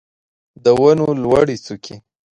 د ونو لوړې څوکې